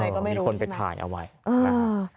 ก็ไม่รู้ใช่ไหมเออมีคนไปถ่ายเอาไว้นะฮะเออ